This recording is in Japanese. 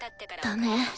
ダメ。